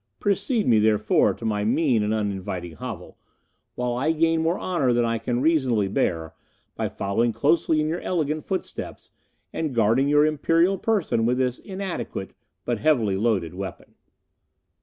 "Precede me, therefore, to my mean and uninviting hovel, while I gain more honour than I can reasonably bear by following closely in your elegant footsteps, and guarding your Imperial person with this inadequate but heavily loaded weapon."